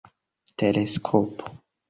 teleskopo